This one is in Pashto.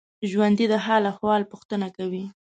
ژوندي د حال احوال پوښتنه کوي